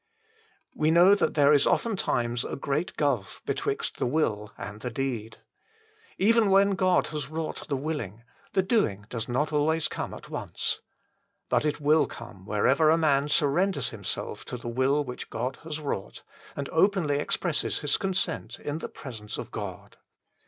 We know that there is oftentimes a great gulf betwixt the will and the deed. Even 86 THE FULL BLESSING OF PENTECOST when God has wrought the willing, the doing does not always come at once. But it will come wherever a man surrenders himself to the will which God has wrought, and openly expresses his consent in the presence of God.